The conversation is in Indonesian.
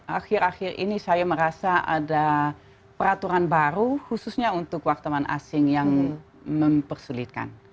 akhir akhir ini saya merasa ada peraturan baru khususnya untuk wartawan asing yang mempersulitkan